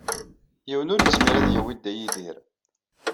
Yiwen ur yezmir ad yawey Dda Yidir.